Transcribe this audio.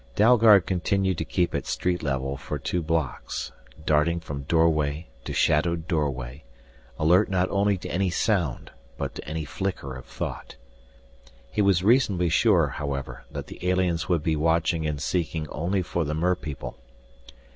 Dalgard continued to keep at street level for two blocks, darting from doorway to shadowed doorway, alert not only to any sound but to any flicker of thought. He was reasonably sure, however, that the aliens would be watching and seeking only for the merpeople.